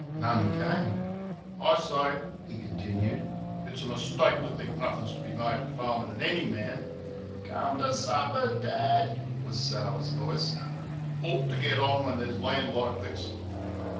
None came. "I say," he continued, "it's a mistake to think nothing's to be made at farming, and any man" ("Come to supper, D AD!" 't was Sal's voice) "ought t' get on where there's land like this."